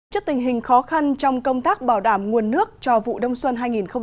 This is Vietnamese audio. trước tình hình khó khăn trong công tác bảo đảm nguồn nước cho vụ đông xuân hai nghìn một mươi chín hai nghìn hai mươi